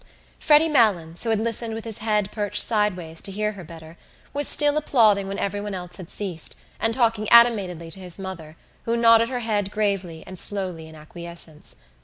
Freddy Malins, who had listened with his head perched sideways to hear her better, was still applauding when everyone else had ceased and talking animatedly to his mother who nodded her head gravely and slowly in acquiescence.